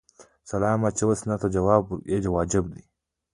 سلام اچول سنت او جواب یې واجب دی